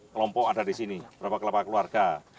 kelompok ada disini beberapa kelompok keluarga